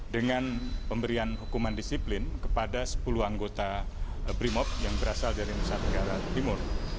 dengan pemberian hukuman disiplin kepada sepuluh anggota brimob yang berasal dari nusa tenggara timur